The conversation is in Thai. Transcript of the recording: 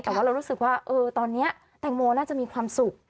แต่ว่าเรารู้สึกว่าตอนนี้แตงโมน่าจะมีความสุข